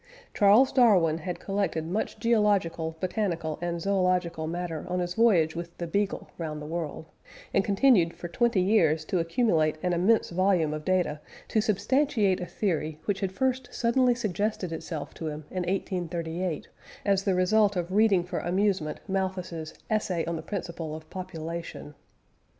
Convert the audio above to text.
Charles Darwin had collected much geological, botanical, and zoological matter on his voyage with the Beagle round the world, and continued for twenty years to accumulate an immense volume of data to substantiate a theory which had first suddenly suggested itself to him in 1838 as the result of reading for amusement Malthus' Essay on the Principle of Population.